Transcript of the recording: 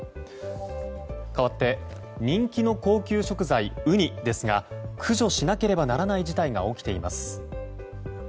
かわって人気の高級食材ウニですが駆除しなければならない事態が起きています。